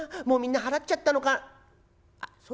もうみんな払っちゃったのかあっ